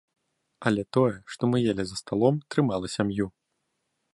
Але тое, што мы елі за сталом, трымала сям'ю.